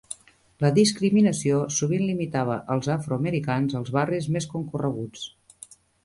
La discriminació sovint limitava els afroamericans als barris més concorreguts.